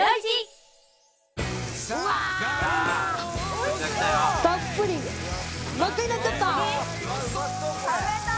真っ赤になっちゃった。